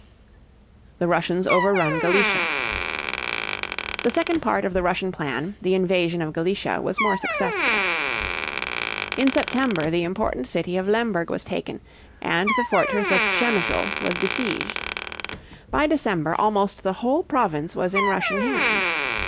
THE RUSSIANS OVERRUN GALICIA. The second part of the Russian plan, the invasion of Galicia, was more successful. In September the important city of Lemberg was taken, and the fortress of Przemysl (pshem´ishl) was besieged. By December almost the whole province was in Russian hands.